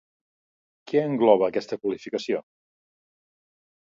Què engloba aquesta qualificació?